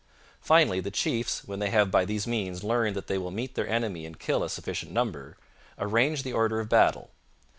Finally, the chiefs, when they have by these means learned that they will meet their enemy and kill a sufficient number, arrange the order of battle.